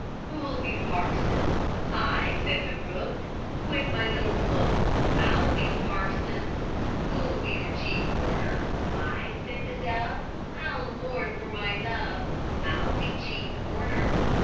Who'll be the parson? "I," said the rook, "With my little book, I'll be the parson." Who'll be chief mourner? "I," said the dove, "I mourn for my love, I'll be chief mourner."